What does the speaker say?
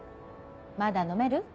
まだ飲める？